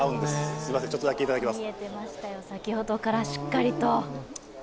すいません、ちょっとだけいただきます。